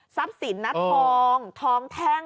ทรัพย์สินนัดทองทองแท่ง